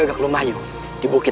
lagi bahkan mereka akan melahir kini